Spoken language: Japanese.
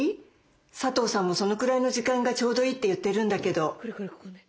佐藤さんもそのくらいの時間がちょうどいいって言ってるんだけど」。